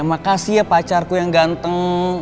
makasih ya pacarku yang ganteng